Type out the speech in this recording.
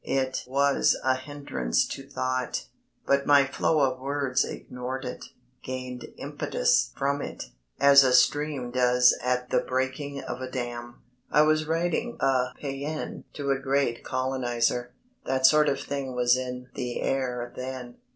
It was a hindrance to thought, but my flow of words ignored it, gained impetus from it, as a stream does at the breaking of a dam. I was writing a pæan to a great coloniser. That sort of thing was in the air then.